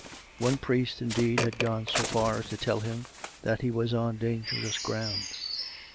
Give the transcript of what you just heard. One priest, indeed, had gone so far as to tell him that he was on dan gerous ground